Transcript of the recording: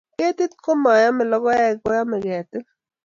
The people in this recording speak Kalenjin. Ketik chemaiyei lokoek koimei ketil